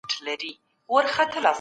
ګاونډیانو به د مظلومانو کلکه ساتنه کوله.